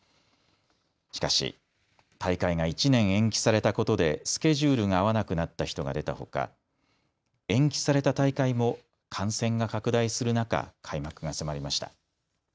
しかし大会が１年延期されたことでスケジュールが合わなくなった人が出たほか、延期された大会も感染が拡大する中、開幕が迫りました。